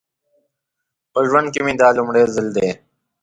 په ژوند کې مې دا لومړی ځل دی.